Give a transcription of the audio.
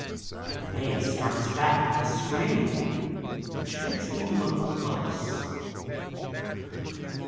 But Mae starts back with a scream, which makes me look close.